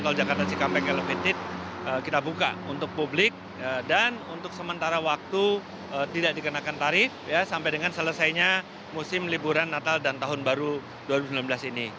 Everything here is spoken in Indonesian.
tol jakarta cikampek elevated kita buka untuk publik dan untuk sementara waktu tidak dikenakan tarif sampai dengan selesainya musim liburan natal dan tahun baru dua ribu sembilan belas ini